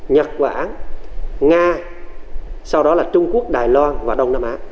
nhật bản nga sau đó là trung quốc đài loan và đông nam á